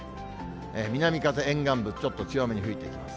南風、沿岸部、ちょっと強めに吹いてきます。